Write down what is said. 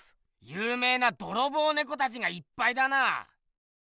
ゆうめいなドロボウネコたちがいっぱいだな。